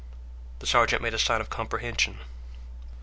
The sergeant made a sign of comprehension.